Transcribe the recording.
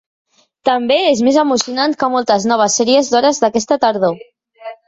També és més emocionant que moltes noves sèries d'hores d'aquesta tardor.